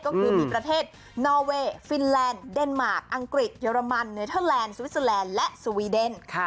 ก็คือมีประเทศนอเวย์ฟินแลนด์เดนมาร์คอังกฤษเยอรมันเนเทอร์แลนดสวิสเตอร์แลนด์และสวีเดน